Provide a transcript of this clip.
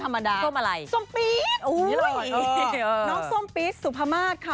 โท่มธรรมดาโท่มอะไรโท่มส้มปี๊ดโอ้ยน้องส้มปี๊ดสุภามารค่ะ